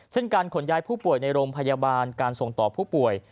เช่นการขนย้ายผู้ป่วยในโรงพยาบาลการส่งต่อผู้ป่วย